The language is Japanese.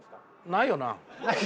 ないよな？